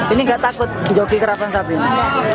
ini gak takut jogi karapan sapi ini